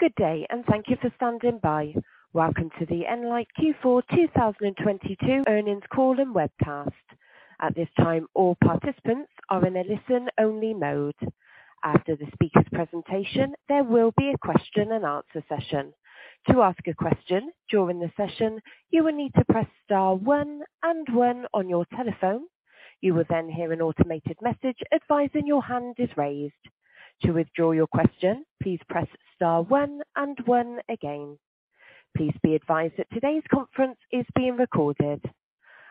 Good day, thank you for standing by. Welcome to the Enlight Q4 2022 Earnings Call and Webcast. At this time, all participants are in a listen-only mode. After the speaker's presentation, there will be a question and answer session. To ask a question during the session, you will need to press star one and one on your telephone. You will then hear an automated message advising your hand is raised. To withdraw your question, please press star one and one again. Please be advised that today's conference is being recorded.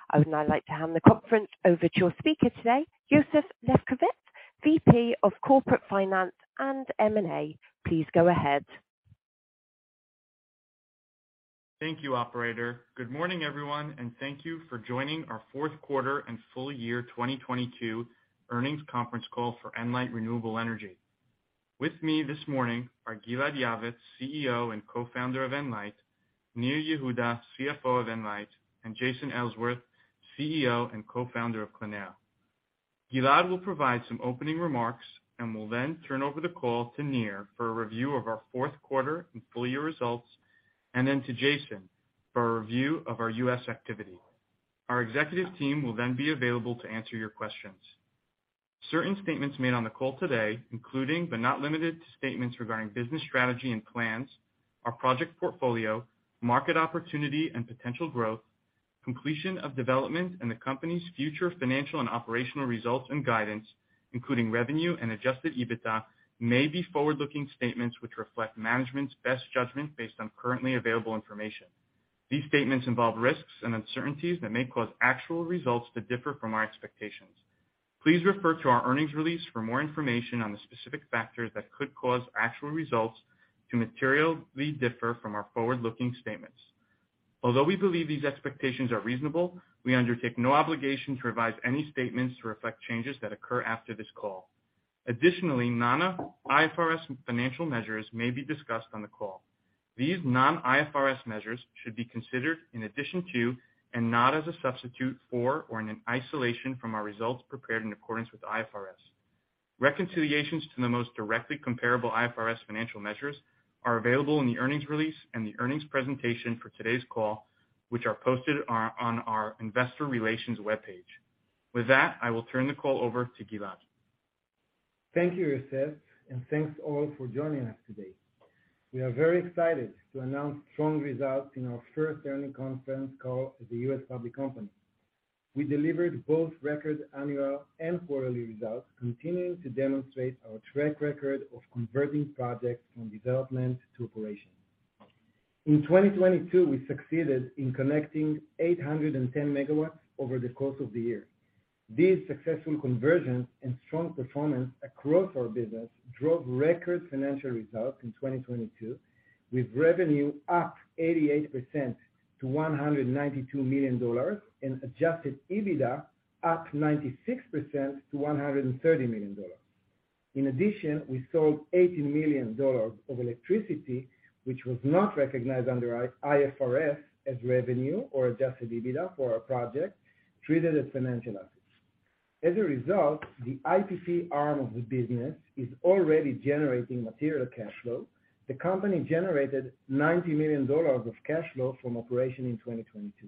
I would now like to hand the conference over to your speaker today, Yosef Lefkovitz, VP of Corporate Finance and M&A. Please go ahead. Thank you, operator. Good morning, everyone, and thank you for joining our fourth quarter and full year 2022 earnings conference call for Enlight Renewable Energy. With me this morning are Gilad Yavetz, CEO and Co-founder of Enlight, Nir Yehuda, CFO of Enlight, and Jason Ellsworth, CEO and Co-founder of Clēnera. Gilad will provide some opening remarks and will then turn over the call to Nir for a review of our fourth quarter and full year results, and then to Jason for a review of our U.S. activity. Our executive team will then be available to answer your questions. Certain statements made on the call today, including but not limited to statements regarding business strategy and plans, our project portfolio, market opportunity and potential growth, completion of development and the company's future financial and operational results and guidance, including revenue and Adjusted EBITDA, may be forward-looking statements which reflect management's best judgment based on currently available information. These statements involve risks and uncertainties that may cause actual results to differ from our expectations. Please refer to our earnings release for more information on the specific factors that could cause actual results to materially differ from our forward-looking statements. Although we believe these expectations are reasonable, we undertake no obligation to revise any statements to reflect changes that occur after this call. Additionally, non-IFRS financial measures may be discussed on the call. These non-IFRS measures should be considered in addition to and not as a substitute for or in an isolation from our results prepared in accordance with IFRS. Reconciliations to the most directly comparable IFRS financial measures are available in the earnings release and the earnings presentation for today's call, which are posted on our investor relations webpage. With that, I will turn the call over to Gilad. Thank you, Yosef. Thanks all for joining us today. We are very excited to announce strong results in our first earnings conference call as a U.S. public company. We delivered both record annual and quarterly results, continuing to demonstrate our track record of converting projects from development to operation. In 2022, we succeeded in connecting 810 MW over the course of the year. These successful conversions and strong performance across our business drove record financial results in 2022, with revenue up 88% to $192 million and Adjusted EBITDA up 96% to $130 million. In addition, we sold $80 million of electricity, which was not recognized under IFRS as revenue or Adjusted EBITDA for our project, treated as financial assets. As a result, the ITC arm of the business is already generating material cash flow. The company generated $90 million of cash flow from operation in 2022.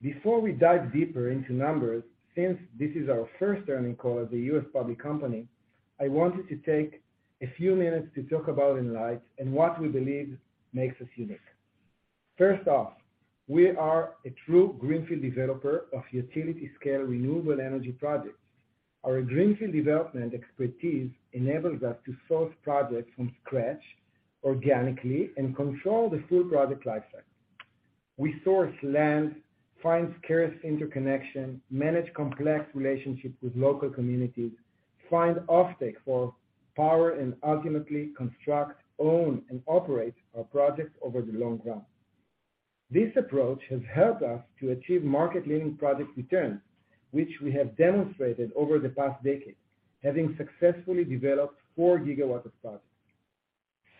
Before we dive deeper into numbers, since this is our first earning call as a U.S. public company, I wanted to take a few minutes to talk about Enlight and what we believe makes us unique. First off, we are a true greenfield developer of utility-scale renewable energy projects. Our greenfield development expertise enables us to source projects from scratch organically and control the full project life cycle. We source land, find scarce interconnection, manage complex relationships with local communities, find offtake for power, and ultimately construct, own and operate our projects over the long run. This approach has helped us to achieve market-leading project returns, which we have demonstrated over the past decade, having successfully developed 4 GW of projects.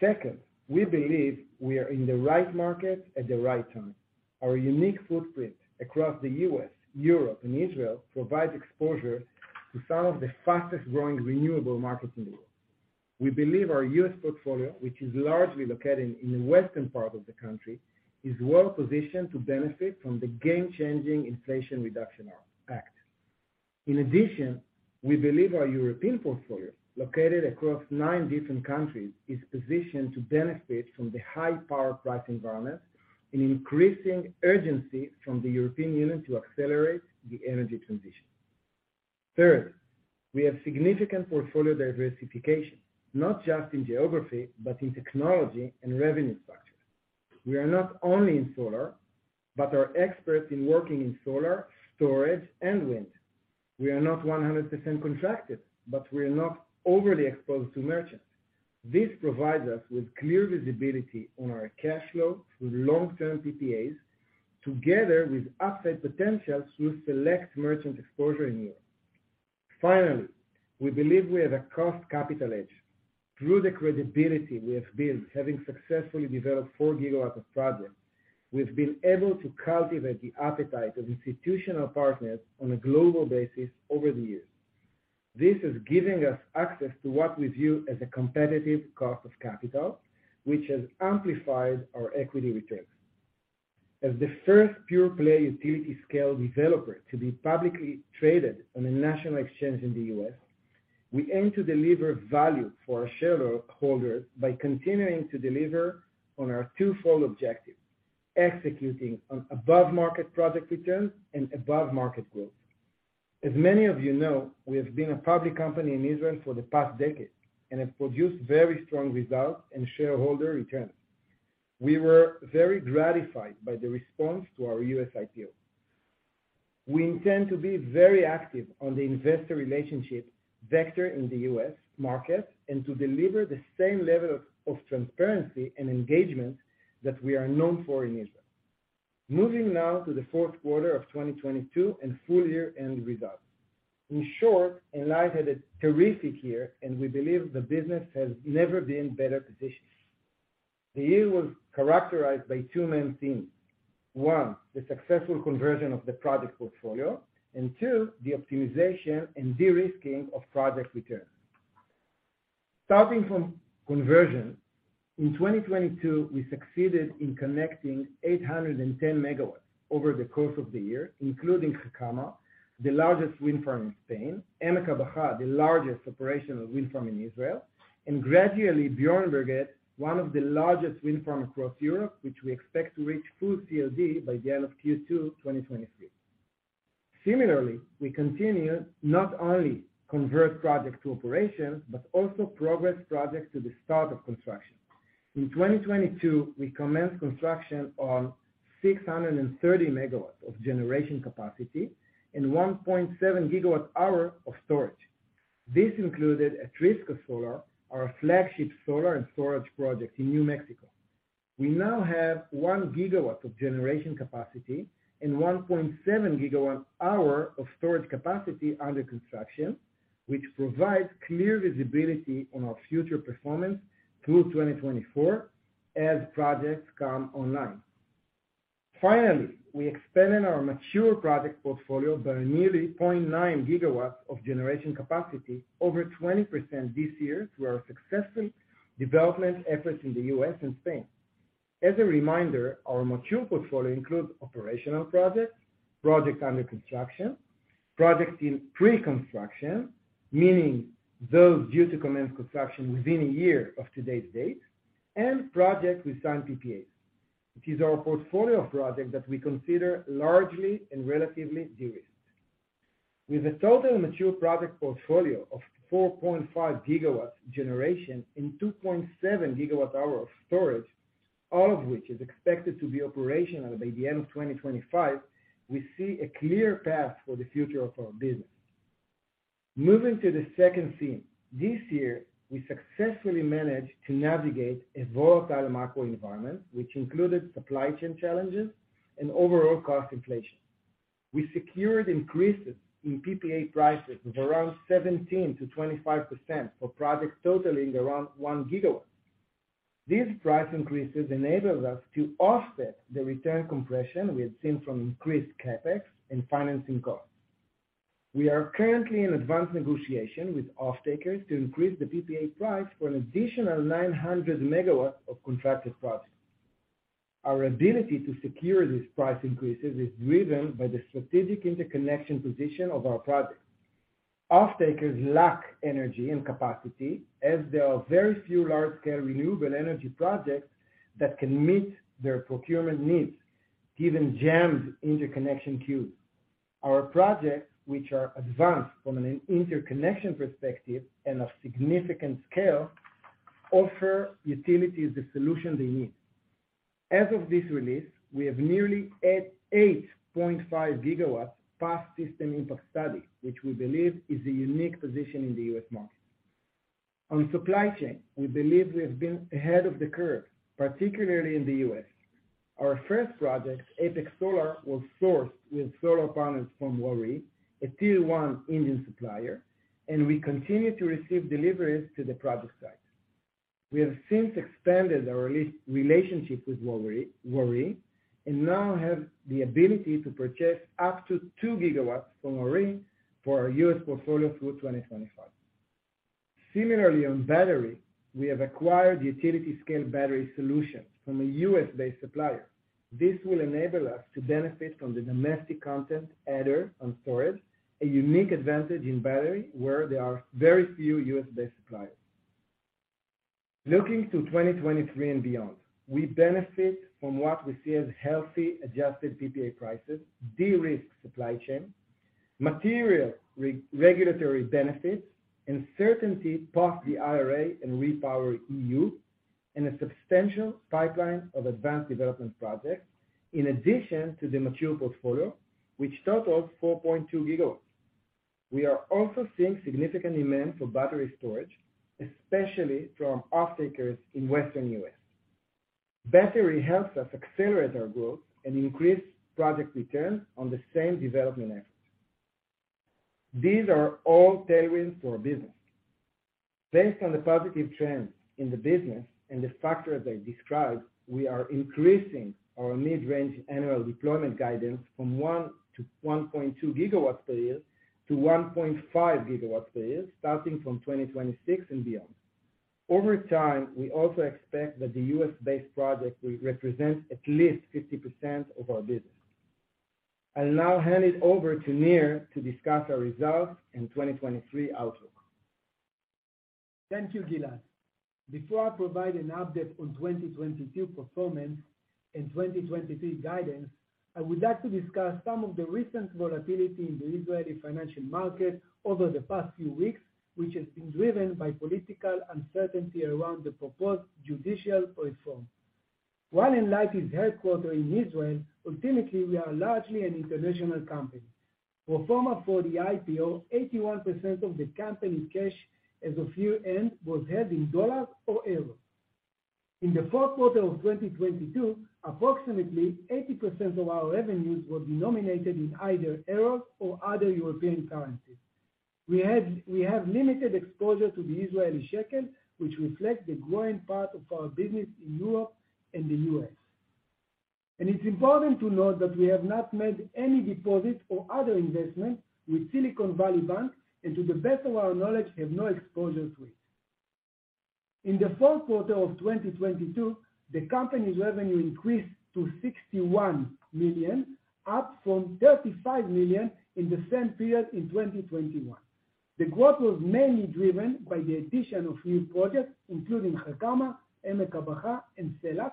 Second, we believe we are in the right market at the right time. Our unique footprint across the U.S., Europe and Israel provides exposure to some of the fastest-growing renewable markets in the world. We believe our U.S. portfolio, which is largely located in the western part of the country, is well-positioned to benefit from the game-changing Inflation Reduction Act. In addition, we believe our European portfolio, located across nine different countries, is positioned to benefit from the high power price environment and increasing urgency from the European Union to accelerate the energy transition. Thirdly, we have significant portfolio diversification, not just in geography, but in technology and revenue structure. We are not only in solar, but are experts in working in solar, storage and wind. We are not 100% contracted, but we are not overly exposed to merchants. This provides us with clear visibility on our cash flow through long-term PPAs, together with upside potential through select merchant exposure in Europe. Finally, we believe we have a cost capital edge. Through the credibility we have built, having successfully developed 4 GW of projects, we've been able to cultivate the appetite of institutional partners on a global basis over the years. This is giving us access to what we view as a competitive cost of capital, which has amplified our equity returns. As the first pure-play utility scale developer to be publicly traded on a national exchange in the U.S., we aim to deliver value for our shareholders by continuing to deliver on our twofold objective, executing on above-market project returns and above-market growth. As many of you know, we have been a public company in Israel for the past decade and have produced very strong results and shareholder returns. We were very gratified by the response to our U.S. IPO. We intend to be very active on the investor relationship vector in the U.S. market and to deliver the same level of transparency and engagement that we are known for in Israel. Moving now to the fourth quarter of 2022 and full year end results. In short, Enlight had a terrific year and we believe the business has never been better positioned. The year was characterized by 2 main themes. 1, the successful conversion of the project portfolio, and 2, the optimization and de-risking of project returns. Starting from conversion, in 2022, we succeeded in connecting 810 MW over the course of the year, including Gecama, the largest wind farm in Spain, Emek HaBacha, the largest operational wind farm in Israel, and gradually Björnberget, one of the largest wind farm across Europe, which we expect to reach full COD by the end of Q2 2023. Similarly, we continue not only convert projects to operations, but also progress projects to the start of construction. In 2022, we commenced construction on 630 MW of generation capacity and 1.7 GWh of storage. This included Atrisco Solar, our flagship solar and storage project in New Mexico. We now have 1 GW of generation capacity and 1.7 GWh of storage capacity under construction, which provides clear visibility on our future performance through 2024 as projects come online. Finally, we expanded our mature project portfolio by nearly 0.9 GW of generation capacity over 20% this year through our successful development efforts in the U.S. and Spain. As a reminder, our mature portfolio includes operational projects under construction, projects in pre-construction, meaning those due to commence construction within a year of today's date, and projects with signed PPAs, which is our portfolio of projects that we consider largely and relatively de-risked. With a total mature project portfolio of 4.5 GW generation and 2.7 GWh of storage, all of which is expected to be operational by the end of 2025, we see a clear path for the future of our business. Moving to the second theme. This year, we successfully managed to navigate a volatile macro environment, which included supply chain challenges and overall cost inflation. We secured increases in PPA prices of around 17%-25% for projects totaling around 1 gigawatt. These price increases enabled us to offset the return compression we had seen from increased CapEx and financing costs. We are currently in advanced negotiation with off-takers to increase the PPA price for an additional 900 MW of contracted projects. Our ability to secure these price increases is driven by the strategic interconnection position of our projects. Off-takers lack energy and capacity as there are very few large-scale renewable energy projects that can meet their procurement needs, given jammed interconnection queues. Our projects, which are advanced from an interconnection perspective and of significant scale, offer utilities the solution they need. As of this release, we have nearly 8.5 GW past system impact study, which we believe is a unique position in the U.S. market. On supply chain, we believe we have been ahead of the curve, particularly in the U.S. Our first project, Apex Solar, was sourced with solar panels from Waaree, a tier-one Indian supplier, and we continue to receive deliveries to the project site. We have since expanded our relationship with Waaree and now have the ability to purchase up to 2 GW from Waaree for our U.S. portfolio through 2025. Similarly, on battery, we have acquired utility scale battery solutions from a U.S.-based supplier. This will enable us to benefit from the domestic content adder on storage, a unique advantage in battery where there are very few U.S.-based suppliers. Looking to 2023 and beyond, we benefit from what we see as healthy adjusted PPA prices, de-risked supply chain, material re-regulatory benefits, and certainty post the IRA and REPowerEU, and a substantial pipeline of advanced development projects in addition to the mature portfolio, which totals 4.2 GW. We are also seeing significant demand for battery storage, especially from off-takers in Western U.S. Battery helps us accelerate our growth and increase project returns on the same development effort. These are all tailwinds to our business. Based on the positive trends in the business and the factors I described, we are increasing our mid-range annual deployment guidance from 1-1.2 GW per year to 1.5 GW per year, starting from 2026 and beyond. Over time, we also expect that the U.S.-based project will represent at least 50% of our business. I'll now hand it over to Nir to discuss our results in 2023 outlook. Thank you, Gilad. Before I provide an update on 2022 performance and 2023 guidance, I would like to discuss some of the recent volatility in the Israeli financial market over the past few weeks, which has been driven by political uncertainty around the proposed judicial reform. While Enlight is headquartered in Israel, ultimately, we are largely an international company. Pro forma for the IPO, 81% of the company's cash as of year-end was held in dollars or euros. In the fourth quarter of 2022, approximately 80% of our revenues were denominated in either euros or other European currencies. We have limited exposure to the Israeli shekel, which reflects the growing part of our business in Europe and the U.S. It's important to note that we have not made any deposits or other investments with Silicon Valley Bank, and to the best of our knowledge, have no exposure to it. In the fourth quarter of 2022, the company's revenue increased to $61 million, up from $35 million in the same period in 2021. The growth was mainly driven by the addition of new projects, including Harkama, Emek HaBacha, and Sela,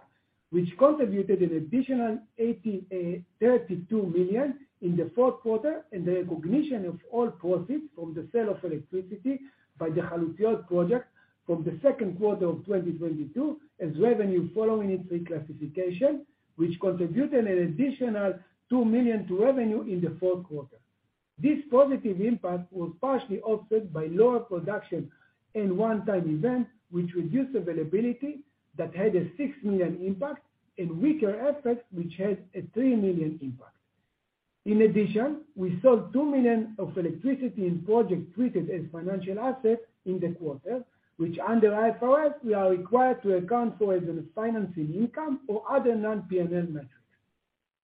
which contributed an additional $32 million in the fourth quarter and the recognition of all profits from the sale of electricity by the Halutziot project from the second quarter of 2022 as revenue following its reclassification, which contributed an additional $2 million to revenue in the fourth quarter. This positive impact was partially offset by lower production and one-time event which reduced availability that had a $6 million impact and weaker efforts which had a $3 million impact. In addition, we sold $2 million of electricity in projects treated as financial assets in the quarter, which under IFRS we are required to account for as a financing income or other non-P&L metrics.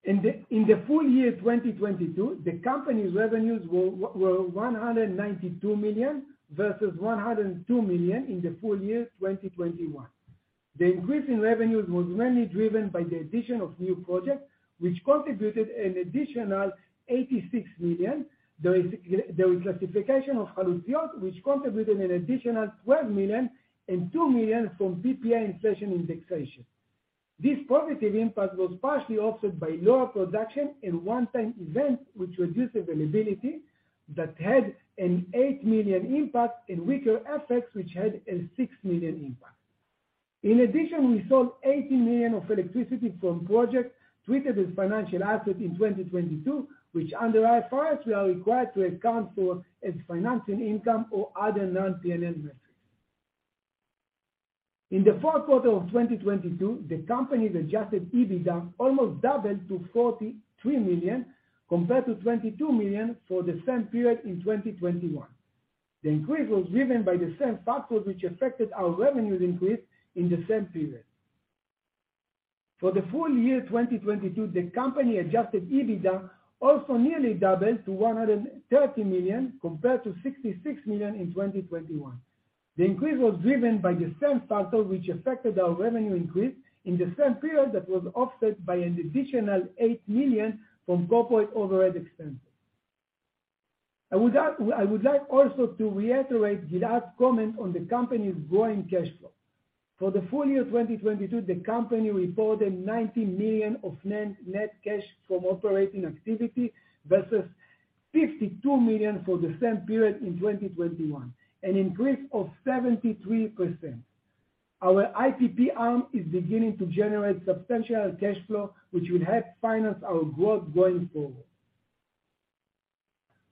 In the full year 2022, the company's revenues were $192 million versus $102 million in the full year 2021. The increase in revenues was mainly driven by the addition of new projects which contributed an additional $86 million. The reclassification of Halutziot which contributed an additional $12 million and $2 million from PPA inflation indexation. This positive impact was partially offset by lower production and one-time events which reduced availability that had an $8 million impact and weaker effects which had a $6 million impact. In addition, we sold $80 million of electricity from projects treated as financial assets in 2022, which under IFRS we are required to account for as financing income or other non-P&L metrics. In the fourth quarter of 2022, the company's Adjusted EBITDA almost doubled to $43 million compared to $22 million for the same period in 2021. The increase was driven by the same factors which affected our revenues increase in the same period. For the full year 2022, the company adjusted EBITDA also nearly doubled to $130 million compared to $66 million in 2021. The increase was driven by the same factor which affected our revenue increase in the same period that was offset by an additional $8 million from corporate overhead expenses. I would like also to reiterate Gilad's comment on the company's growing cash flow. For the full year 2022, the company reported $90 million of net cash from operating activity versus $52 million for the same period in 2021, an increase of 73%. Our IPP arm is beginning to generate substantial cash flow, which will help finance our growth going forward.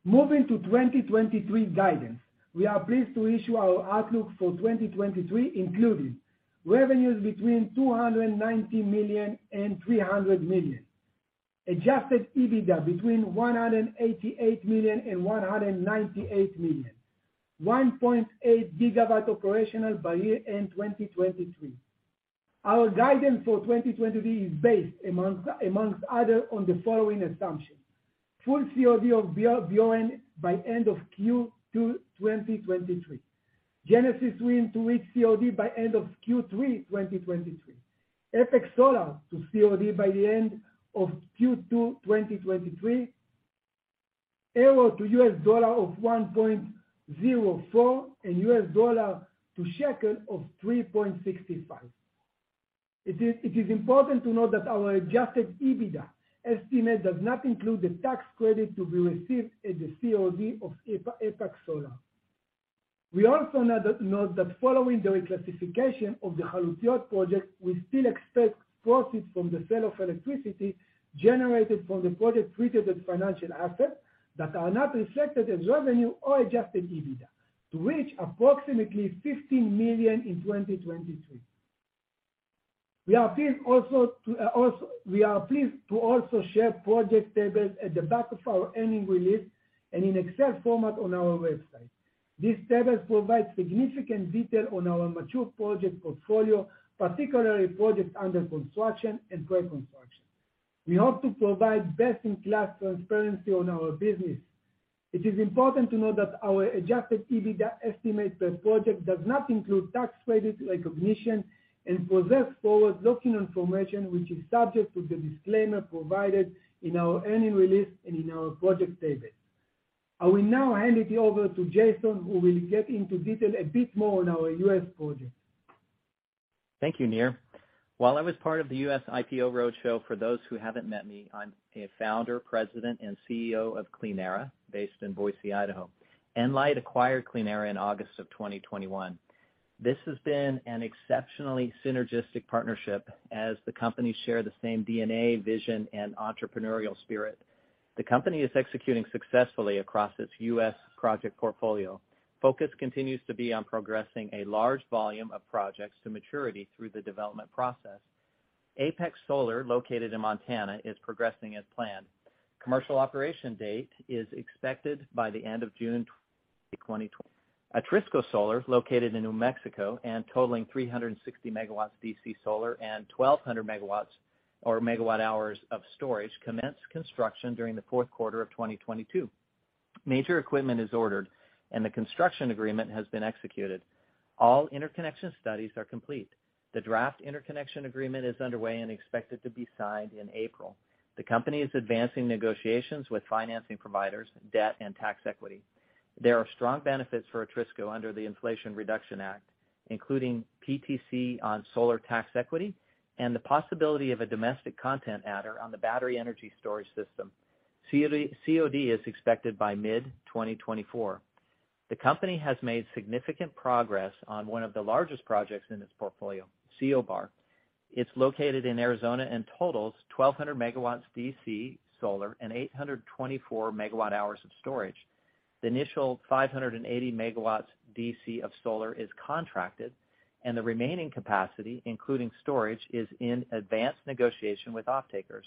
Moving to 2023 guidance, we are pleased to issue our outlook for 2023, including revenues between $290 million-$300 million. Adjusted EBITDA between $188 million-$198 million. 1.8 GW operational by year end 2023. Our guidance for 2023 is based amongst other on the following assumptions. Full COD of Vion by end of Q2 2023. Genesis Wind to reach COD by end of Q3 2023. Apex Solar to COD by the end of Q2 2023. Euro to U.S. Dollar of 1.04 and U.S. Dollar to shekel of 3.65. It is important to note that our Adjusted EBITDA estimate does not include the tax credit to be received at the COD of Apex Solar. We also note that following the reclassification of the Halutziot project, we still expect profits from the sale of electricity generated from the project treated as financial assets that are not reflected as revenue or Adjusted EBITDA to reach approximately $15 million in 2023. We are pleased to also share project tables at the back of our earnings release and in Excel format on our website. These tables provide significant detail on our mature project portfolio, particularly projects under construction and pre-construction. We hope to provide best-in-class transparency on our business. It is important to note that our Adjusted EBITDA estimate per project does not include tax credits recognition and possess forward-looking information which is subject to the disclaimer provided in our annual release and in our project tables. I will now hand it over to Jason, who will get into detail a bit more on our U.S. projects. Thank you, Nir. While I was part of the U.S. IPO roadshow, for those who haven't met me, I'm a founder, president, and CEO of Clēnera, based in Boise, Idaho. Enlight acquired Clēnera in August of 2021. This has been an exceptionally synergistic partnership as the companies share the same DNA, vision, and entrepreneurial spirit. The company is executing successfully across its U.S. project portfolio. Focus continues to be on progressing a large volume of projects to maturity through the development process. Apex Solar, located in Montana, is progressing as planned. Commercial operation date is expected by the end of June 2020. Atrisco Solar, located in New Mexico and totaling 360 MW DC solar and 1,200 MW or MWh of storage, commenced construction during the fourth quarter of 2022. Major equipment is ordered and the construction agreement has been executed. All interconnection studies are complete. The draft interconnection agreement is underway and expected to be signed in April. The company is advancing negotiations with financing providers, debt, and tax equity. There are strong benefits for Atrisco under the Inflation Reduction Act, including PTC on solar tax equity and the possibility of a domestic content adder on the Battery Energy Storage System. COD is expected by mid-2024. The company has made significant progress on one of the largest projects in its portfolio, Co Bar. It's located in Arizona and totals 1,200 MW D.C. solar and 824 MWh of storage. The initial 580 MW D.C. of solar is contracted, and the remaining capacity, including storage, is in advanced negotiation with offtakers.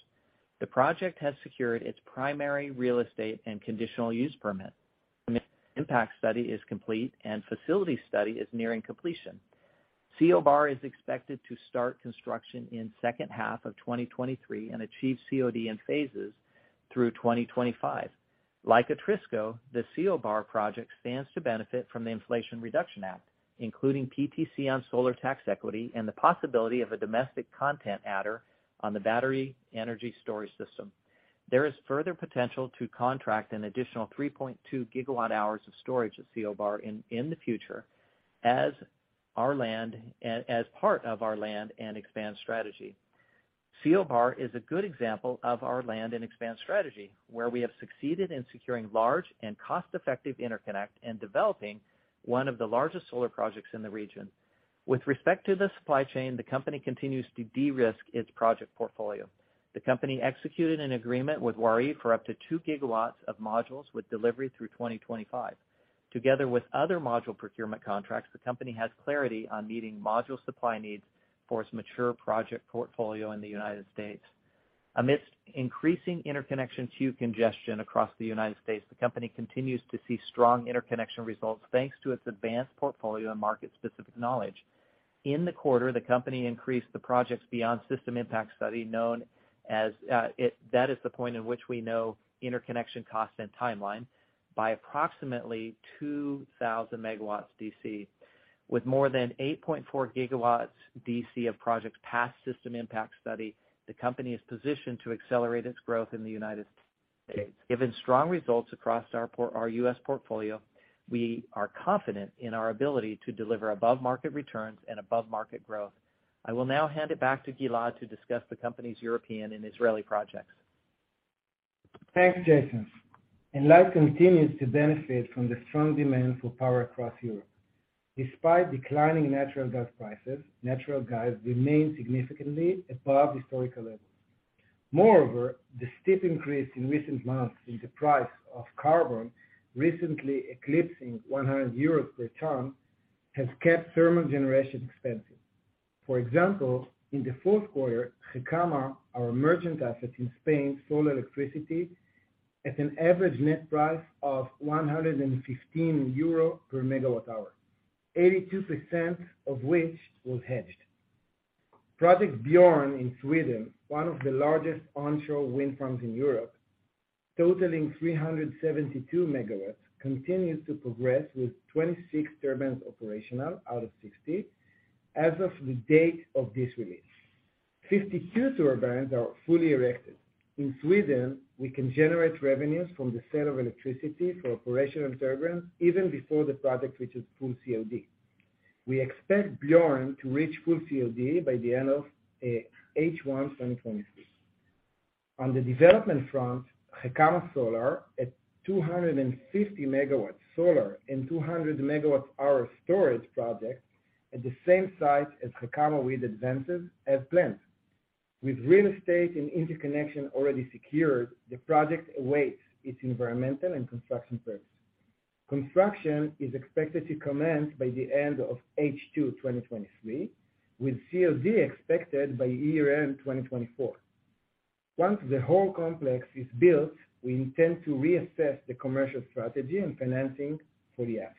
The project has secured its primary real estate and conditional use permit. Impact study is complete and facility study is nearing completion. Co-Bar is expected to start construction in second half of 2023 and achieve COD in phases through 2025. Like Atrisco, the Co-Bar project stands to benefit from the Inflation Reduction Act, including PTC on solar tax equity and the possibility of a domestic content adder on the Battery Energy Storage System. There is further potential to contract an additional 3.2 gigawatt-hours of storage at Co-Bar in the future as part of our land and expand strategy. Co-Bar is a good example of our land and expand strategy, where we have succeeded in securing large and cost-effective interconnect and developing one of the largest solar projects in the region. With respect to the supply chain, the company continues to de-risk its project portfolio. The company executed an agreement with Waaree for up to 2 GW of modules with delivery through 2025. Together with other module procurement contracts, the company has clarity on meeting module supply needs for its mature project portfolio in the United States. Amidst increasing interconnection queue congestion across the United States, the company continues to see strong interconnection results, thanks to its advanced portfolio and market-specific knowledge. In the quarter, the company increased the projects beyond system impact study known as, that is the point at which we know interconnection cost and timeline by approximately 2,000 MW DC. With more than 8.4 GW DC of projects past system impact study, the company is positioned to accelerate its growth in the United States. Given strong results across our U.S. portfolio, we are confident in our ability to deliver above market returns and above market growth. I will now hand it back to Gilad to discuss the company's European and Israeli projects. Thanks, Jason. Enlight continues to benefit from the strong demand for power across Europe. Despite declining natural gas prices, natural gas remains significantly above historical levels. The steep increase in recent months in the price of carbon, recently eclipsing 100 euros per ton, has kept thermal generation expensive. In the fourth quarter, Gecama, our merchant asset in Spain, sold electricity at an average net price of 115 euro per MWh, 82% of which was hedged. Project Björnberget in Sweden, one of the largest onshore wind farms in Europe, totaling 372 MW, continues to progress with 26 turbines operational out of 60 as of the date of this release. 52 turbines are fully erected. In Sweden, we can generate revenues from the sale of electricity for operational turbines even before the project reaches full COD. We expect Bjorn to reach full COD by the end of H1 2023. On the development front, Gecama Solar at 250 MW solar and 200 MW our storage project at the same site as Gecama, we'd advances as planned. With real estate and interconnection already secured, the project awaits its environmental and construction permits. Construction is expected to commence by the end of H2 2023, with COD expected by year-end 2024. Once the whole complex is built, we intend to reassess the commercial strategy and financing for the asset.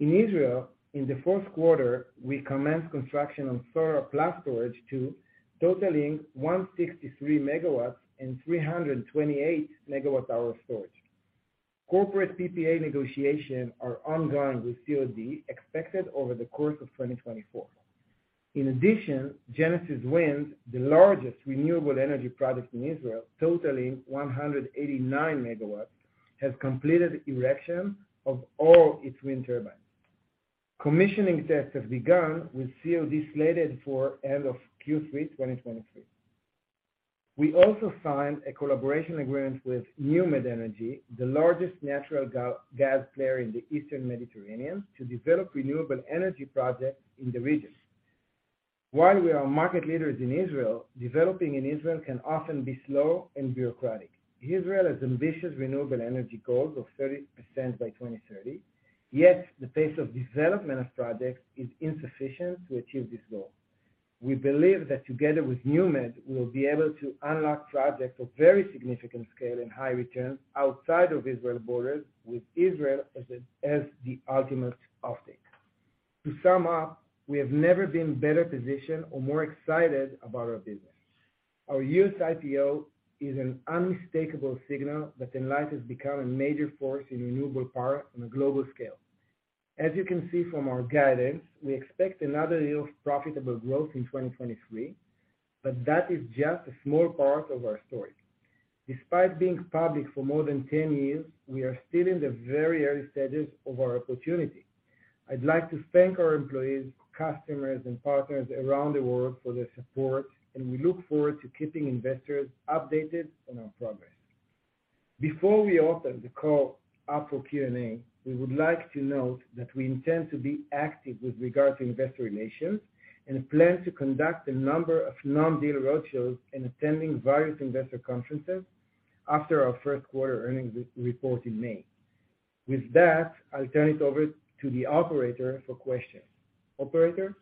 In Israel, in the fourth quarter, we commenced construction on Solar + Storage 2, totaling 163 MW and 328 MWh of storage. Corporate PPA negotiation are ongoing, with COD expected over the course of 2024. Genesis Wind, the largest renewable energy project in Israel, totaling 189 MW, has completed erection of all its wind turbines. Commissioning tests have begun, with COD slated for end of Q3, 2023. We also signed a collaboration agreement with NewMed Energy, the largest natural gas player in the Eastern Mediterranean, to develop renewable energy projects in the region. While we are market leaders in Israel, developing in Israel can often be slow and bureaucratic. Israel has ambitious renewable energy goals of 30% by 2030, yet the pace of development of projects is insufficient to achieve this goal. We believe that together with NewMed, we will be able to unlock projects of very significant scale and high returns outside of Israel's borders, with Israel as the ultimate offtake. To sum up, we have never been better positioned or more excited about our business. Our U.S. IPO is an unmistakable signal that Enlight has become a major force in renewable power on a global scale. As you can see from our guidance, we expect another year of profitable growth in 2023, but that is just a small part of our story. Despite being public for more than 10 years, we are still in the very early stages of our opportunity. I'd like to thank our employees, customers and partners around the world for their support and we look forward to keeping investors updated on our progress. Before we open the call up for Q&A, we would like to note that we intend to be active with regard to investor relations and plan to conduct a number of non-deal roadshows and attending various investor conferences after our first quarter earnings re-report in May. With that, I'll turn it over to the operator for questions. Operator?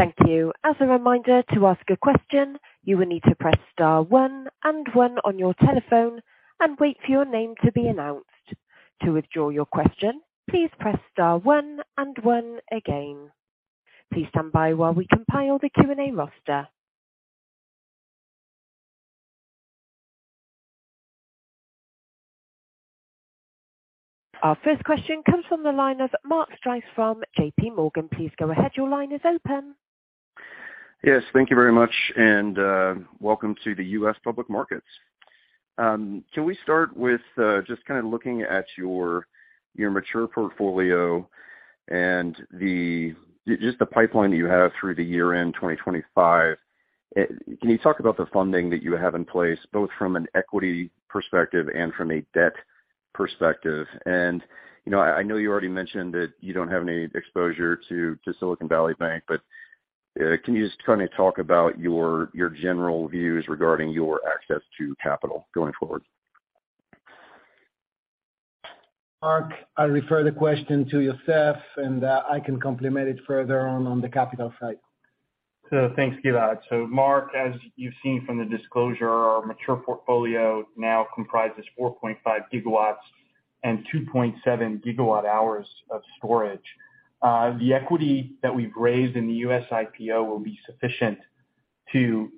Thank you. As a reminder, to ask a question, you will need to press star one and one on your telephone and wait for your name to be announced. To withdraw your question, please press star one and one again. Please stand by while we compile the Q&A roster. Our first question comes from the line of Mark Strouse from JPMorgan. Please go ahead, your line is open. Yes, thank you very much, and welcome to the U.S. public markets. Can we start with just kind of looking at your mature portfolio and the pipeline that you have through the year-end 2025? Can you talk about the funding that you have in place, both from an equity perspective and from a debt perspective? You know, I know you already mentioned that you don't have any exposure to Silicon Valley Bank, but can you just kind of talk about your general views regarding your access to capital going forward? Mark, I'll refer the question to Yossef and, I can complement it further on the capital side. Thanks, Gilad. Mark, as you've seen from the disclosure, our mature portfolio now comprises 4.5 GW and 2.7 GWh of storage. The equity that we've raised in the U.S. IPO will be sufficient to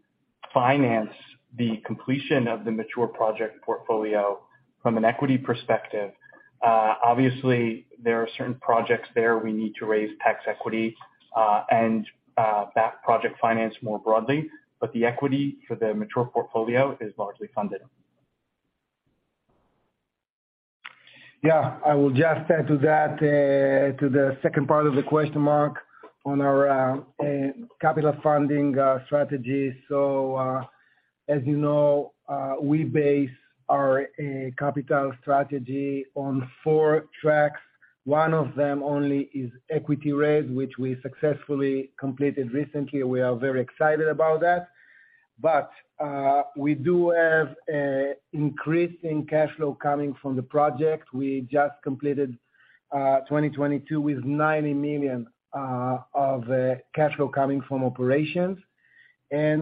finance the completion of the mature project portfolio from an equity perspective. Obviously, there are certain projects there we need to raise tax equity, and that project finance more broadly, but the equity for the mature portfolio is largely funded. Yeah. I will just add to that, to the second part of the question, Mark, on our capital funding strategy. As you know, we base our capital strategy on four tracks. One of them only is equity raise, which we successfully completed recently. We are very excited about that. We do have increase in cash flow coming from the project. We just completed 2022 with $90 million of cash flow coming from operations. This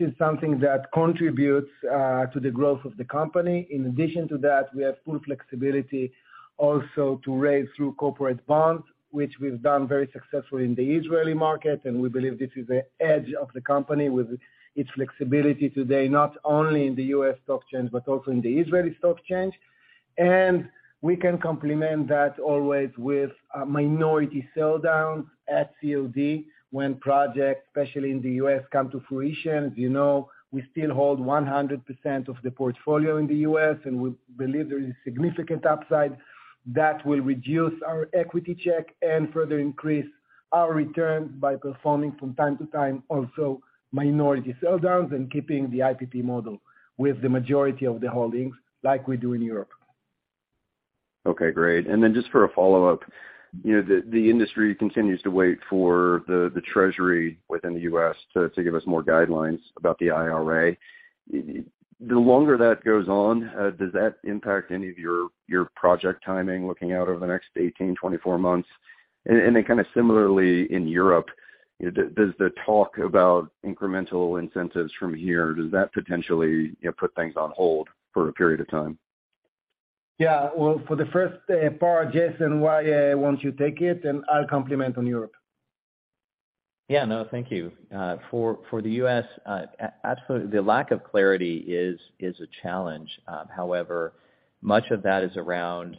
is something that contributes to the growth of the company. In addition to that, we have full flexibility also to raise through corporate bonds, which we've done very successfully in the Israeli market. We believe this is the edge of the company with its flexibility today, not only in the U.S. stock exchange, but also in the Israeli stock exchange. We can complement that always with minority sell downs at COD when projects, especially in the U.S., come to fruition. You know, we still hold 100% of the portfolio in the U.S. We believe there is significant upside that will reduce our equity check and further increase our return by performing from time to time, also minority sell downs and keeping the IPP model with the majority of the holdings like we do in Europe. Okay, great. Just for a follow-up, you know, the industry continues to wait for the Treasury within the U.S. to give us more guidelines about the IRA. The longer that goes on, does that impact any of your project timing looking out over the next 18, 24 months? Then kind of similarly in Europe, does the talk about incremental incentives from here, does that potentially, you know, put things on hold for a period of time? Yeah. Well, for the first part, Jason, why won't you take it and I'll complement on Europe. Yeah, no, thank you. For the U.S., the lack of clarity is a challenge. However, much of that is around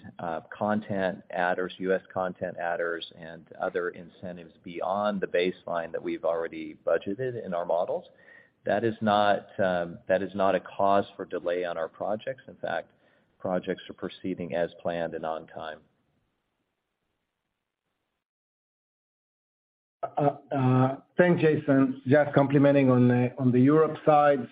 content adders, U.S. content adders, and other incentives beyond the baseline that we've already budgeted in our models. That is not, that is not a cause for delay on our projects. In fact, projects are proceeding as planned and on time. Thanks, Jason. Just complementing on the Europe side.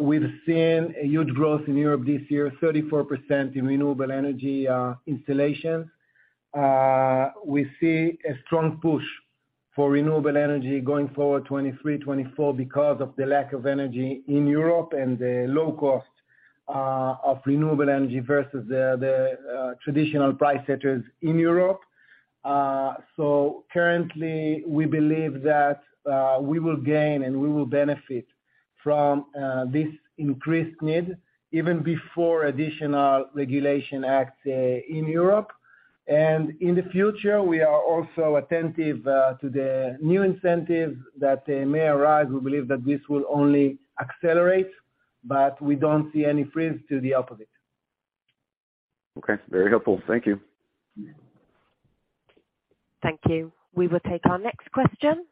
We've seen a huge growth in Europe this year, 34% in renewable energy installations. We see a strong push for renewable energy going forward 2023, 2024 because of the lack of energy in Europe and the low cost of renewable energy versus the traditional price setters in Europe. Currently, we believe that we will gain, and we will benefit from this increased need even before additional regulation acts in Europe. In the future, we are also attentive to the new incentive that may arise. We believe that this will only accelerate, but we don't see any freeze to the opposite. Okay. Very helpful. Thank you. Thank you. We will take our next question.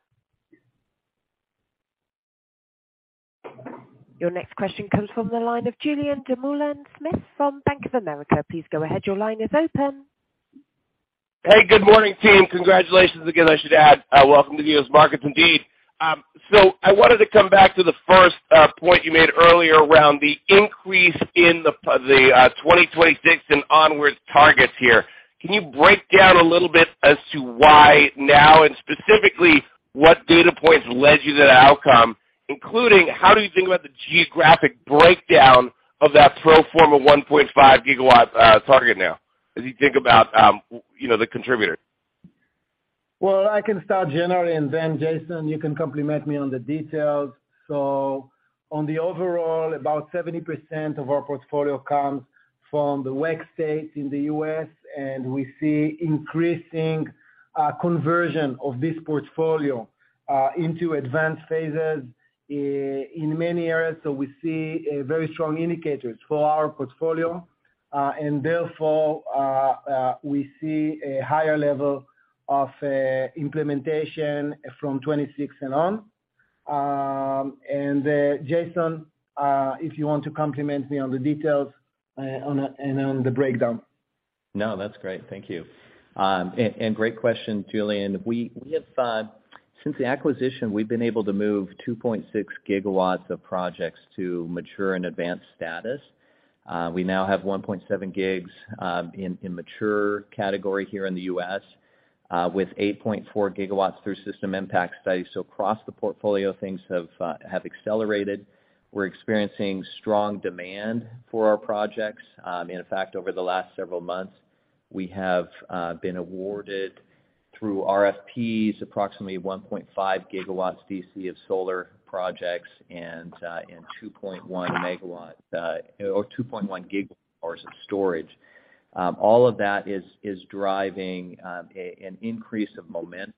Your next question comes from the line of Julien Dumoulin-Smith from Bank of America. Please go ahead. Your line is open. Hey, good morning, team. Congratulations again, I should add. Welcome to you as markets indeed. I wanted to come back to the first point you made earlier around the increase in the 2026 and onwards targets here. Can you break down a little bit as to why now, and specifically, what data points led you to the outcome, including how do you think about the geographic breakdown of that pro forma 1.5 GW target now as you think about, you know, the contributors? I can start generally, and then Jason, you can complement me on the details. On the overall, about 70% of our portfolio comes from the WECC states in the U.S., and we see increasing conversion of this portfolio into advanced phases in many areas. We see very strong indicators for our portfolio, and therefore, we see a higher level of implementation from 26 and on. Jason, if you want to complement me on the details on the breakdown. No, that's great. Thank you. And great question, Julien. We have since the acquisition, we've been able to move 2.6 GW of projects to mature and advanced status. We now have 1.7 gigs in mature category here in the U.S., with 8.4 GW through system impact studies. Across the portfolio, things have accelerated. We're experiencing strong demand for our projects. In fact, over the last several months, we have been awarded through RFPs approximately 1.5 GW D.C. of solar projects and 2.1 MW, or 2.1 GWhs of storage. All of that is driving an increase of momentum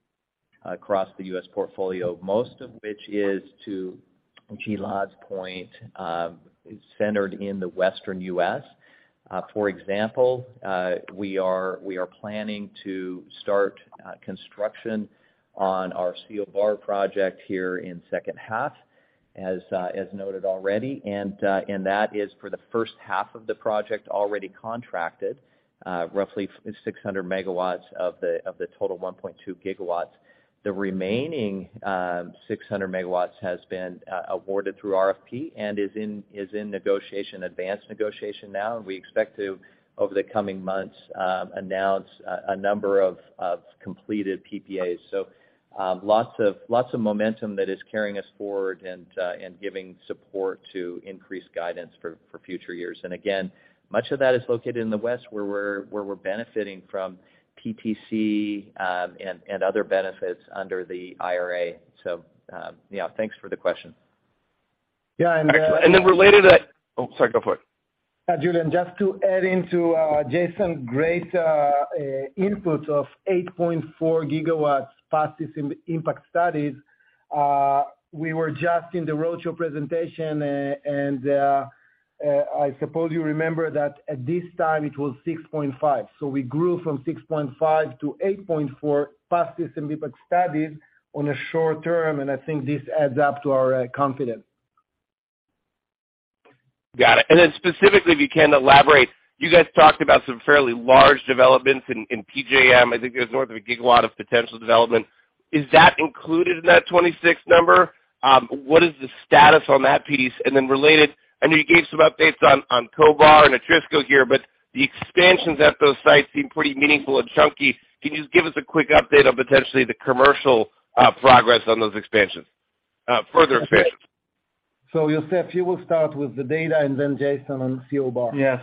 across the U.S. portfolio, most of which is to Gilad's point, is centered in the Western U.S. For example, we are planning to start construction on our Co Bar project here in second half, as noted already. That is for the first half of the project already contracted, roughly 600 MW of the total 1.2 gigawatts. The remaining 600 MW has been awarded through RFP and is in negotiation, advanced negotiation now. We expect to, over the coming months, announce a number of completed PPAs. Lots of momentum that is carrying us forward and giving support to increased guidance for future years. Again, much of that is located in the West, where we're benefiting from PTC and other benefits under the IRA. Yeah, thanks for the question. Yeah. Oh, sorry, go for it. Julien, just to add into Jason, great input of 8.4 GW passes in impact studies. We were just in the roadshow presentation, and I suppose you remember that at this time, it was 6.5. We grew from 6.5 to 8.4 passes in impact studies on a short term, and I think this adds up to our confidence. Got it. Specifically, if you can elaborate, you guys talked about some fairly large developments in PJM. I think there's more of a GW of potential development. Is that included in that '26 number? What is the status on that piece? Related, I know you gave some updates on Co-Bar and Atrisco here, but the expansions at those sites seem pretty meaningful and chunky. Can you just give us a quick update on potentially the commercial progress on those expansions, further expansions? Yossef, you will start with the data and then Jason on Co-Bar. Yeah.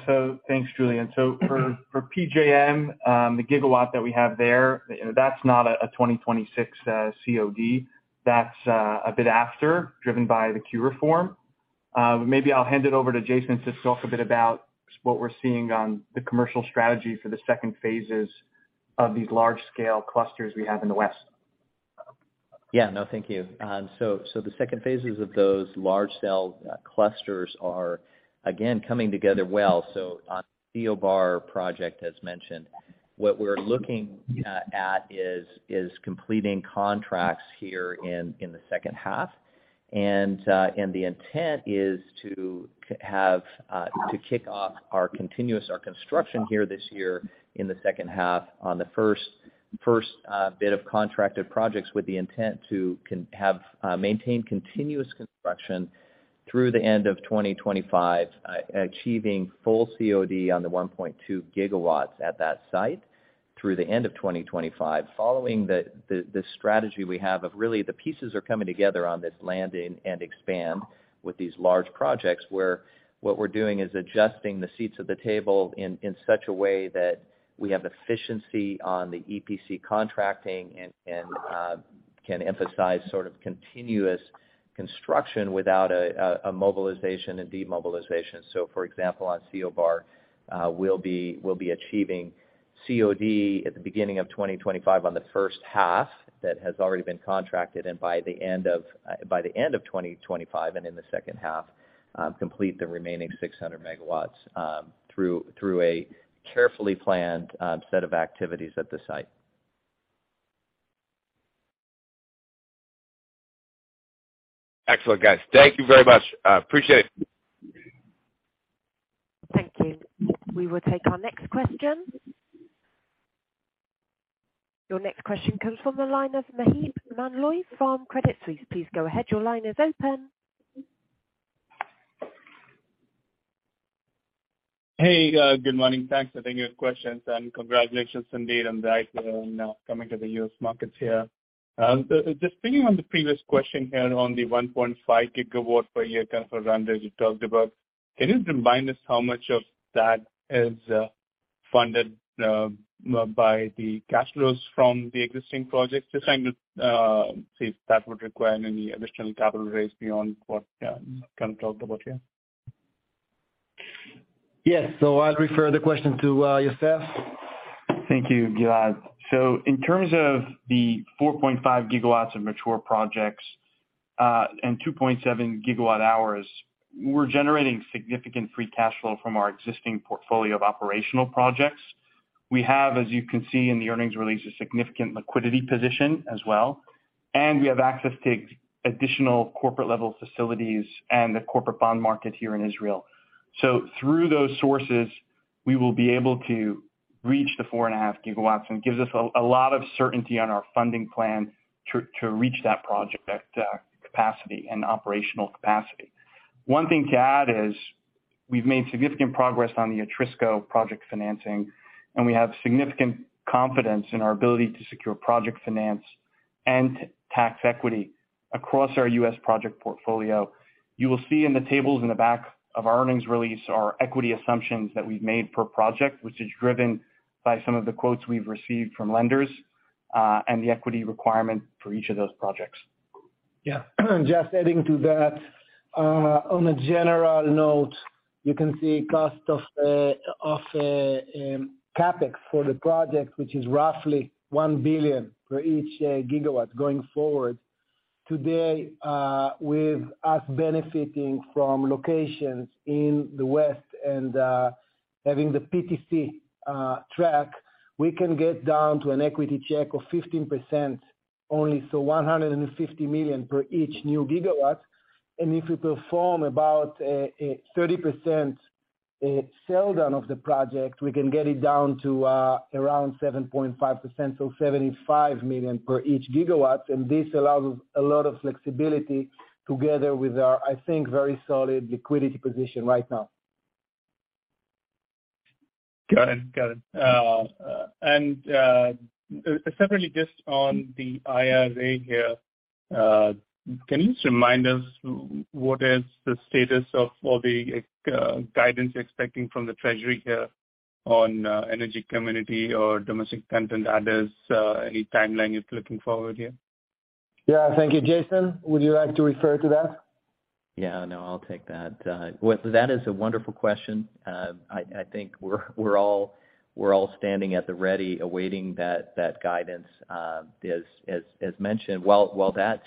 Thanks, Julien. For PJM, the gigawatt that we have there, that's not a 2026 COD. That's a bit after, driven by the Q reform. Maybe I'll hand it over to Jason Ellsworth to talk a bit about what we're seeing on the commercial strategy for the second phases of these large scale clusters we have in the West. Yeah. No, thank you. The second phases of those large cell clusters are again, coming together well. On Co-Bar project, as mentioned, what we're looking at is completing contracts here in the second half. The intent is to have, to kick off our continuous construction here this year in the second half on the first bit of contracted projects with the intent to have maintain continuous construction through the end of 2025, achieving full COD on the 1.2 GW at that site through the end of 2025. Following the strategy we have of really the pieces are coming together on this land in and expand with these large projects, where what we're doing is adjusting the seats at the table in such a way that we have efficiency on the EPC contracting and can emphasize sort of continuous construction without a mobilization and demobilization. For example, on Co-Bar, we'll be achieving COD at the beginning of 2025 on the first half that has already been contracted, and by the end of 2025 and in the second half, complete the remaining 600 MW through a carefully planned set of activities at the site. Excellent, guys. Thank you very much. Appreciate it. Thank you. We will take our next question. Your next question comes from the line of Maheep Mandloi from Credit Suisse. Please go ahead. Your line is open. Hey, good morning. Thanks for taking those questions. Congratulations indeed on the IPO and coming to the U.S. markets here. Just speaking on the previous question here on the 1.5 gigawatt per year kind of rundown as you talked about, can you remind us how much of that is funded by the cash flows from the existing projects? Just trying to see if that would require any additional capital raise beyond what you kind of talked about here. Yes. I'll refer the question to Yossef. Thank you, Gilad. In terms of the 4.5 GW of mature projects, and 2.7 GWh, we're generating significant free cash flow from our existing portfolio of operational projects. We have, as you can see in the earnings release, a significant liquidity position as well, and we have access to additional corporate level facilities and the corporate bond market here in Israel. Through those sources, we will be able to reach the 4.5 gigawatts, and it gives us a lot of certainty on our funding plan to reach that project capacity and operational capacity. One thing to add is we've made significant progress on the Atrisco project financing, and we have significant confidence in our ability to secure project finance and tax equity across our U.S. project portfolio. You will see in the tables in the back of our earnings release our equity assumptions that we've made per project, which is driven by some of the quotes we've received from lenders, and the equity requirement for each of those projects. Yeah. Just adding to that, on a general note, you can see cost of CapEx for the project, which is roughly $1 billion for each gigawatt going forward. Today, with us benefiting from locations in the West and having the PTC track, we can get down to an equity check of 15% only, so $150 million per each new gigawatt. If we perform about 30% sell down of the project, we can get it down to around 7.5%, so $75 million per each gigawatt. This allows a lot of flexibility together with our, I think, very solid liquidity position right now. Got it. Got it. Separately, just on the IRA here, can you just remind us what is the status of all the guidance you're expecting from the Treasury here on energy community or domestic content adders? Any timeline you're looking forward here? Thank you. Jason, would you like to refer to that? Yeah. No, I'll take that. Well, that is a wonderful question. I think we're all standing at the ready awaiting that guidance as mentioned. While that's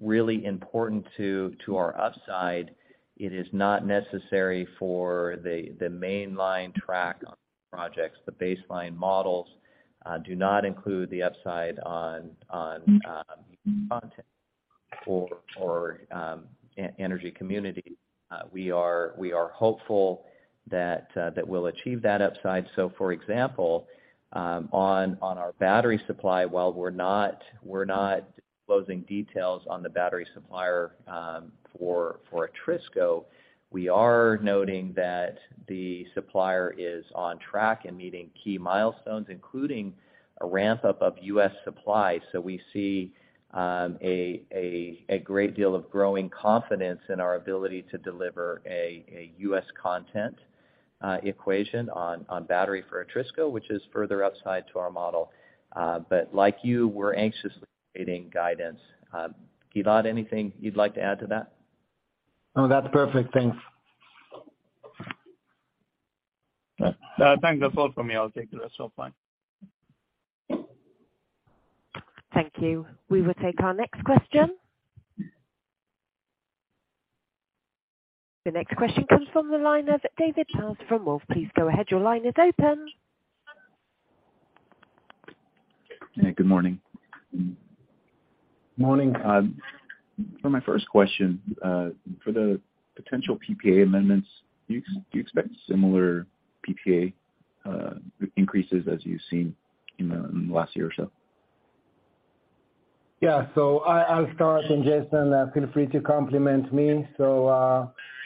really important to our upside, it is not necessary for the mainline track on projects. The baseline models do not include the upside on content. For energy community. We are hopeful that we'll achieve that upside. For example, on our battery supply, while we're not closing details on the battery supplier, for Atrisco, we are noting that the supplier is on track in meeting key milestones, including a ramp-up of U.S. supply. We see a great deal of growing confidence in our ability to deliver a U.S. content equation on battery for Atrisco, which is further upside to our model. Like you, we're anxiously awaiting guidance. Gilad, anything you'd like to add to that? No, that's perfect. Thanks. Thanks. That's all for me. I'll take the rest offline. Thank you. We will take our next question. The next question comes from the line of David Zales from Wolfe Research. Please go ahead. Your line is open. Yeah, good morning. Morning. For my first question, for the potential PPA amendments, do you expect similar PPA increases as you've seen in the last year or so? Yeah. I'll start, Jason, feel free to complement me.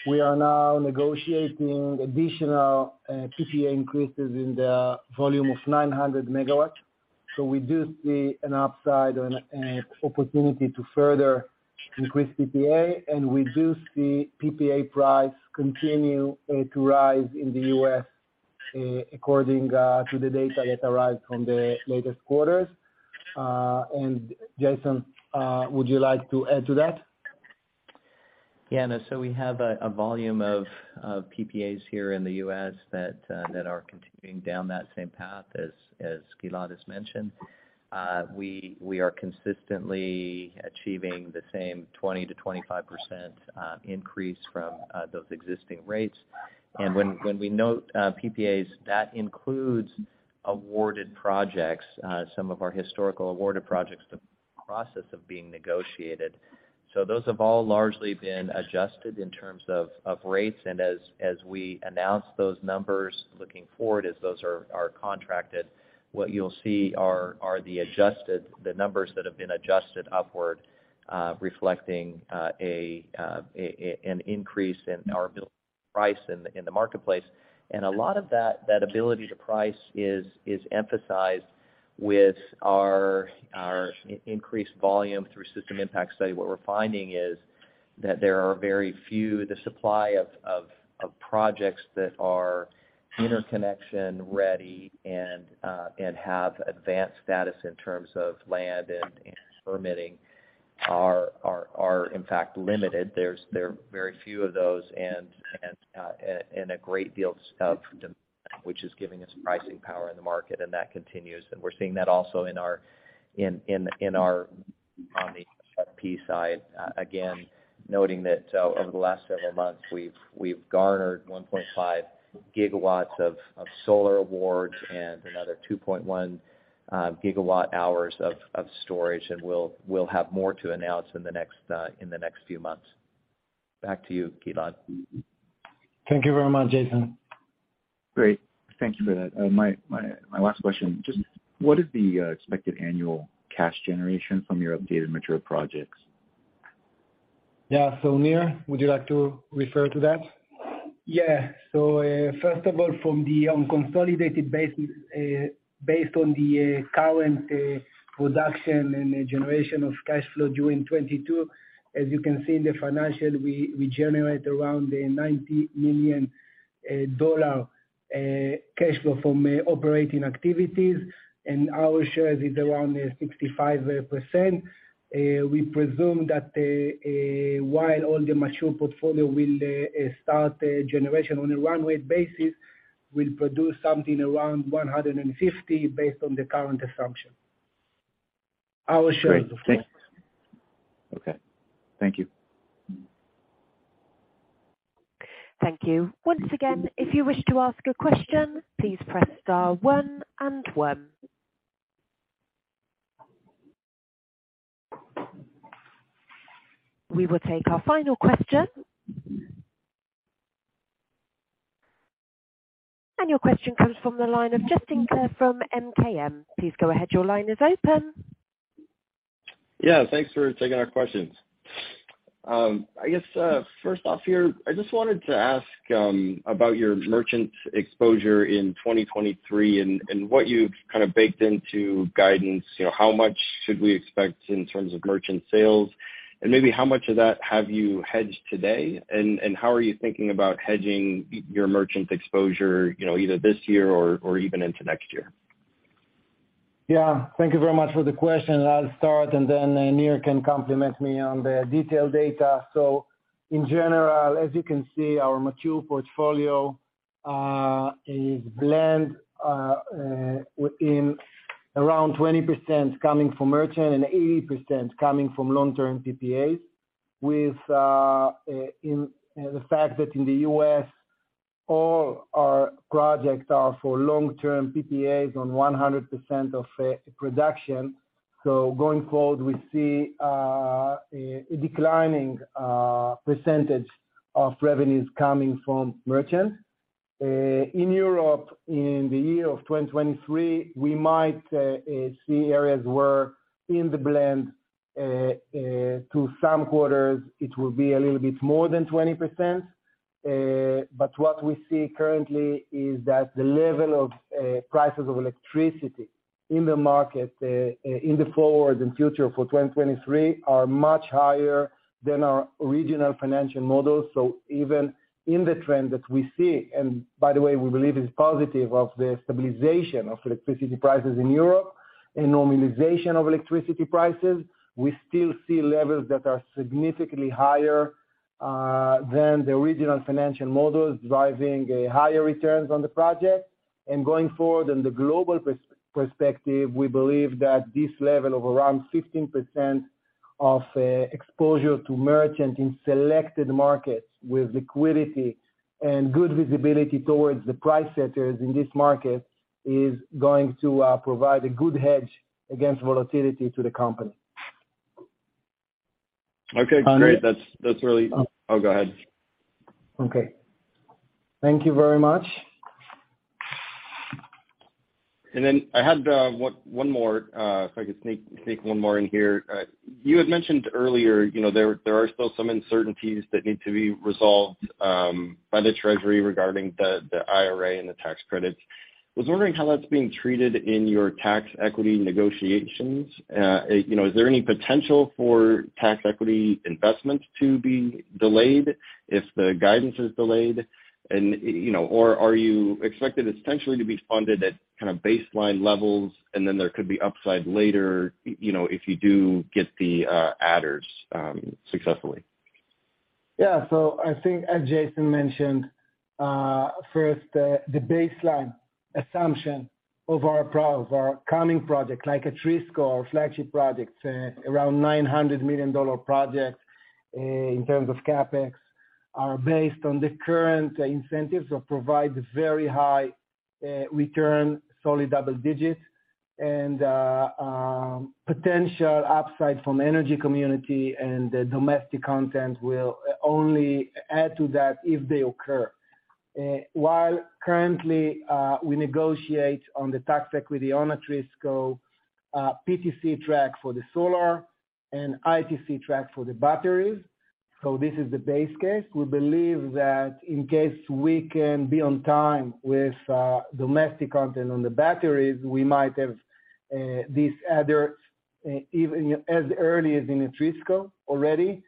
We are now negotiating additional PPA increases in the volume of 900 MW. We do see an upside and an opportunity to further increase PPA, and we do see PPA price continue to rise in the U.S., according to the data that arrived from the latest quarters. Jason, would you like to add to that? Yeah, no. We have a volume of PPAs here in the U.S. that are continuing down that same path as Gilad has mentioned. We are consistently achieving the same 20% to 25% increase from those existing rates. When we note PPAs, that includes awarded projects, some of our historical awarded projects in the process of being negotiated. Those have all largely been adjusted in terms of rates. As we announce those numbers looking forward as those are contracted, what you'll see are the adjusted the numbers that have been adjusted upward, reflecting an increase in our ability to price in the marketplace. A lot of that ability to price is emphasized with our increased volume through system impact study. What we're finding is that there are very few. The supply of projects that are interconnection ready and have advanced status in terms of land and permitting are in fact limited. There are very few of those and a great deal of which is giving us pricing power in the market. That continues. We're seeing that also in our on the FP side. Again, noting that over the last several months, we've garnered 1.5 GW of solar awards and another 2.1 GWh of storage, and we'll have more to announce in the next few months. Back to you, Gilad. Thank you very much, Jason. Great. Thank you for that. My last question, just what is the expected annual cash generation from your updated mature projects? Yeah. Nir, would you like to refer to that? First of all, from the unconsolidated basis, based on the current production and the generation of cash flow during 2022, as you can see in the financial, we generate around a $90 million cash flow from operating activities. Our shares is around 65%. We presume that, while all the mature portfolio will start a generation on a runway basis, will produce something around $150 million based on the current assumption. Our shares. Great. Thanks. Okay. Thank you. Thank you. Once again, if you wish to ask a question, please press star one and one. We will take our final question. Your question comes from the line of Justin Clare from MKM. Please go ahead. Your line is open. Yeah, thanks for taking our questions. I guess, first off here, I just wanted to ask about your merchant exposure in 2023 and what you've kind of baked into guidance. You know, how much should we expect in terms of merchant sales? And maybe how much of that have you hedged today? And, and how are you thinking about hedging your merchant exposure, you know, either this year or even into next year? Thank you very much for the question. I'll start, and then, Nir can complement me on the detailed data. In general, as you can see, our mature portfolio, is blend, within around 20% coming from merchant and 80% coming from long-term PPAs with, in the fact that in the U.S.-All our projects are for long-term PPAs on 100% of production. Going forward, we see, a declining, percentage of revenues coming from merchant. In Europe in the year of 2023, we might, see areas where in the blend, to some quarters it will be a little bit more than 20%. What we see currently is that the level of prices of electricity in the market, in the forward and future for 2023 are much higher than our regional financial models. Even in the trend that we see, and by the way, we believe is positive of the stabilization of electricity prices in Europe and normalization of electricity prices, we still see levels that are significantly higher than the original financial models, driving higher returns on the project. Going forward, in the global perspective, we believe that this level of around 15% of exposure to merchant in selected markets with liquidity and good visibility towards the price setters in this market is going to provide a good hedge against volatility to the company. Okay, great. That's really. Oh, go ahead. Okay. Thank you very much. I had one more, if I could sneak one more in here. You had mentioned earlier, you know, there are still some uncertainties that need to be resolved by the Treasury regarding the IRA and the tax credits. I was wondering how that's being treated in your tax equity negotiations. You know, is there any potential for tax equity investments to be delayed if the guidance is delayed and, you know, or are you expected essentially to be funded at kind of baseline levels and then there could be upside later, you know, if you do get the adders successfully? I think as Jason mentioned, first, the baseline assumption of our coming projects like Atrisco or flagship projects, around $900 million projects, in terms of CapEx, are based on the current incentives that provide very high return, solid double digits. Potential upside from energy community and the domestic content will only add to that if they occur. While currently, we negotiate on the tax equity on Atrisco, PTC track for the solar and ITC track for the batteries. This is the base case. We believe that in case we can be on time with domestic content on the batteries, we might have these adders even as early as in Atrisco already,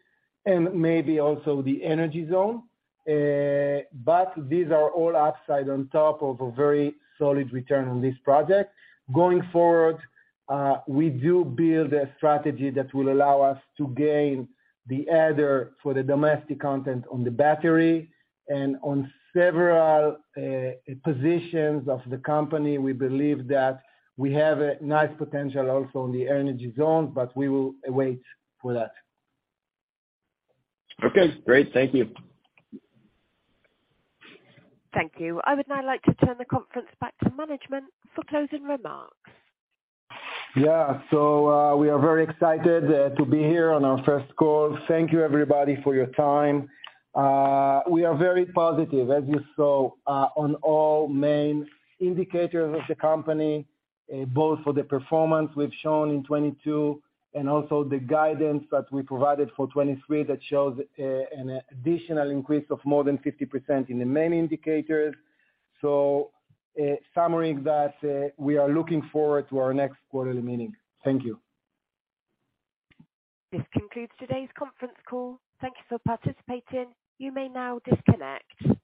and maybe also the energy zone. These are all upside on top of a very solid return on this project. Going forward, we do build a strategy that will allow us to gain the adder for the domestic content on the battery. On several positions of the company, we believe that we have a nice potential also in the energy zone, but we will wait for that. Okay, great. Thank you. Thank you. I would now like to turn the conference back to management for closing remarks. We are very excited to be here on our first call. Thank you everybody for your time. We are very positive, as you saw, on all main indicators of the company, both for the performance we've shown in 2022 and also the guidance that we provided for 2023 that shows an additional increase of more than 50% in the main indicators. Summary that we are looking forward to our next quarterly meeting. Thank you. This concludes today's conference call. Thank you for participating. You may now disconnect.